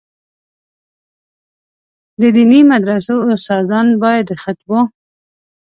د دیني مدرسو استادان باید د خطبو.